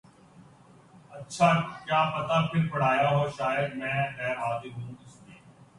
اچھا کیا پتا پھر پڑھایا ہو شاید میں غیر حاضر ہوں اس میں